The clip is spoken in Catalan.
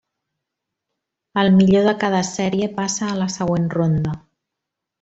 El millor de cada sèrie passa a la següent ronda.